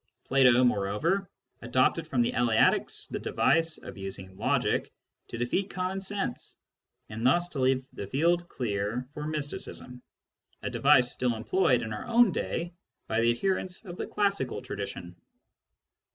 Plato, moreover, adopted from the Eleatics the device of using logic to defeat common sense, and thus to leave the field clear for mysticism — a device still employed in our own day by the adherents of the classical tradition.